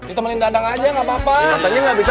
ditemenin dadang aja gak apa apa